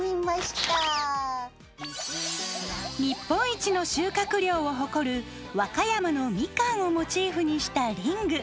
日本一の収穫量を誇る和歌山のみかんをモチーフにしたリング。